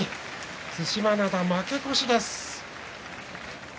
對馬洋、負け越しです。